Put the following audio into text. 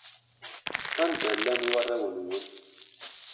Anda i llan warraw-nwen?